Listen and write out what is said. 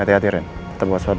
hati hati ren tetep waspada